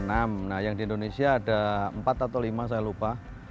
penyu di indonesia ada empat atau lima saya lupa